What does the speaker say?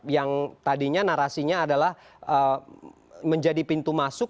yang tadinya narasinya adalah menjadi pintu masuk